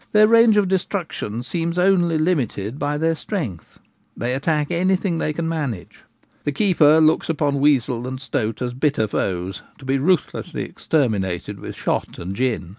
Their range of destruction seems only limited by their strength : they attack anything they can manage. The keeper looks upon weasel and stoat as bitter foes, to be ruthlessly exterminated with shot and gin.